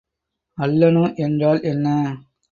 அல்லணு என்றால் என்ன?